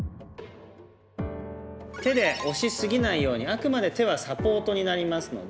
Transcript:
手で押しすぎないようにあくまで手はサポートになりますので。